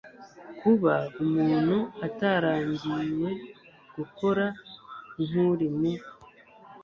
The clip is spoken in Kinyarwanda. kuba umuntu atarangiwe gukora nk uri mu